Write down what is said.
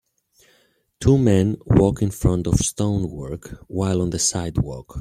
Two men walk in front of stone work, while on the sidewalk.